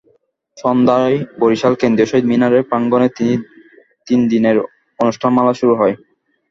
সন্ধ্যায় বরিশাল কেন্দ্রীয় শহীদ মিনার প্রাঙ্গণে তিন দিনের অনুষ্ঠানমালা শুরু হয়।